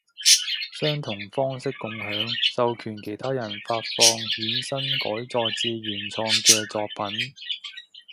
相同方式共享，授權其他人發放衍生改作自原創嘅作品